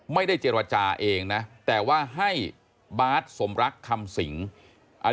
ไม่ได้เจรจาเองนะแต่ว่าให้บาทสมรักคำสิง